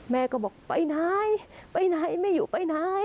แม่ก็บอกไปไหนไปไหนแม่อยู่ไปไหน